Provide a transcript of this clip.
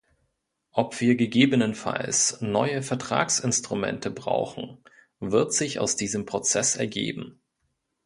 Ob wir gegebenenfalls neue Vertragsinstrumente brauchen, wird sich aus diesem Prozess ergeben.